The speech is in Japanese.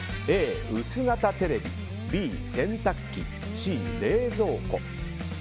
Ａ、薄型テレビＢ、洗濯機Ｃ、冷蔵庫。